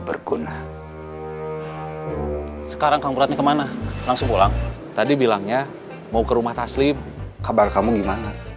berguna sekarang kamu beratnya kemana langsung pulang tadi bilangnya mau ke rumah taslim kabar kamu gimana